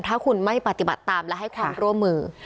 ถ้าคุณไม่ปฏิบัติตามและให้ความร่วมมือ